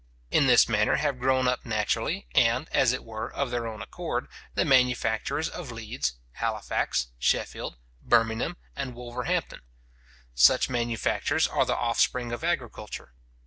In this manner have grown up naturally, and, as it were, of their own accord, the manufactures of Leeds, Halifax, Sheffield, Birmingham, and Wolverhampton. Such manufactures are the offspring of agriculture.